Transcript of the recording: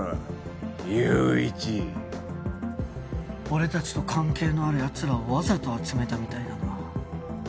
俺たちと関係のある奴らをわざと集めたみたいだな。